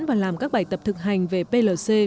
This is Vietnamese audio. và làm các bài tập thực hành về plc